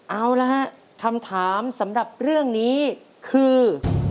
เอาละฮะคำถามสำหรับเรื่องนี้คือ